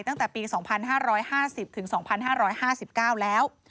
ตั้งแต่ปี๒๕๕๐ถึง๒๕๕๙แล้ว